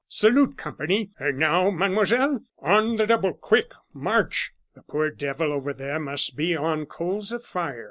Salute company. And now, Mademoiselle, on the double quick, march! The poor devil over there must be on coals of fire."